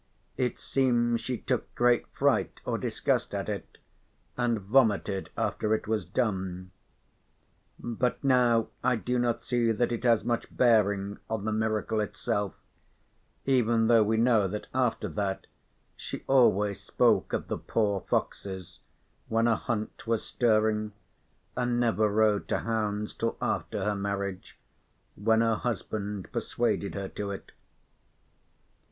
It seems she took great fright or disgust at it, and vomited after it was done. But now I do not see that it has much bearing on the miracle itself, even though we know that after that she always spoke of the "poor foxes" when a hunt was stirring and never rode to hounds till after her marriage when her husband persuaded her to it.